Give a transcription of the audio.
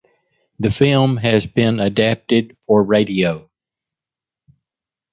The film has been adapted for radio.